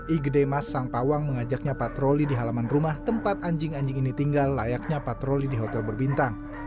igede mas sang pawang mengajaknya patroli di halaman rumah tempat anjing anjing ini tinggal layaknya patroli di hotel berbintang